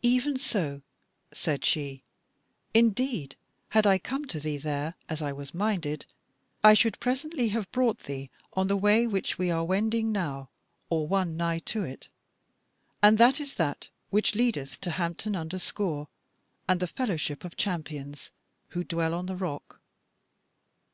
"Even so," said she; "indeed had I come to thee there, as I was minded, I should presently have brought thee on the way which we are wending now, or one nigh to it; and that is that which leadeth to Hampton under Scaur, and the Fellowship of Champions who dwell on the rock."